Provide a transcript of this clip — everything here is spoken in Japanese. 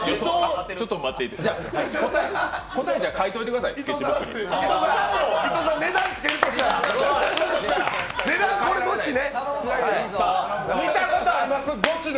答え、書いておいてくださいスケッチブックに。